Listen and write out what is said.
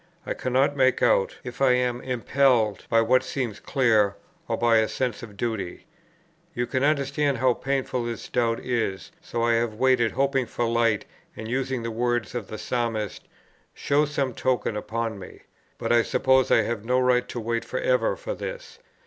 I cannot make out, if I am impelled by what seems clear, or by a sense of duty. You can understand how painful this doubt is; so I have waited, hoping for light, and using the words of the Psalmist, 'Show some token upon me.' But I suppose I have no right to wait for ever for this.